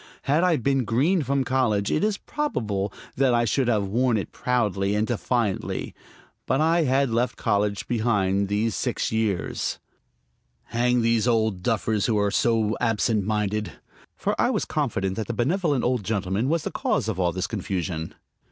Had I been green from college it is probable that I should have worn it proudly and defiantly. But I had left college behind these six years. Hang these old duffers who are so absent minded! For I was confident that the benevolent old gentleman was the cause of all this confusion.